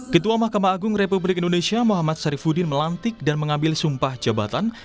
ketua mahkamah agung republik indonesia muhammad sarifudin melantik dan mengambil sumpah jabatan